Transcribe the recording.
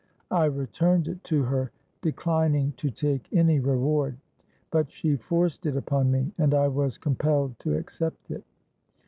I returned it to her, declining to take any reward; but she forced it upon me, and I was compelled to accept it.